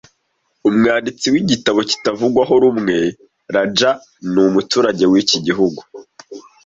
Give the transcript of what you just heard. Umwanditsi w'igitabo kitavugwaho rumwe 'Lajja' ni umuturage w'iki gihugu